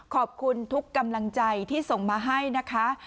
ขอบคุณทุกกำลังใจที่ส่งมาให้นะคะ